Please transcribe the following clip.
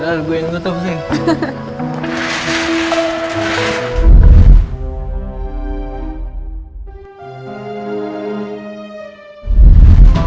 udah gue inget tuh sih